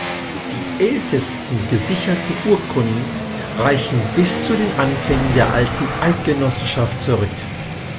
Die ältesten gesicherten Urkunden reichen bis zu den Anfängen der Alten Eidgenossenschaft zurück.